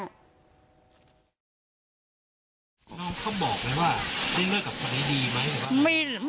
น้องเขาบอกเลยว่าได้เลิกกับคนไหนดีไหม